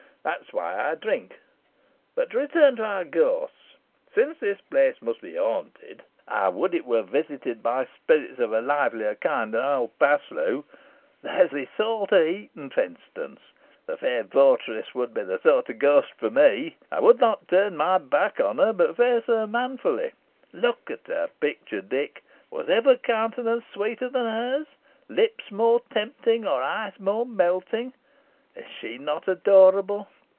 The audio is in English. That is why I drink. But to return to our ghosts. Since this place must be haunted, I would it were visited by spirits of a livelier kind than old Paslew. There is Isole de Heton, for instance. The fair votaress would be the sort of ghost for me. I would not turn my back on her, but face her manfully. Look at her picture, Dick. Was ever countenance sweeter than hers lips more tempting, or eyes more melting! Is she not adorable?